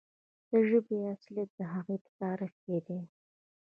د ژبې اصالت د هغې په تاریخ کې دی.